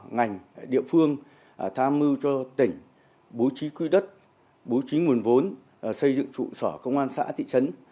ngành địa phương tham mưu cho tỉnh bố trí quy đất bố trí nguồn vốn xây dựng trụ sở công an xã thị trấn